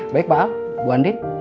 baik pak al bu andin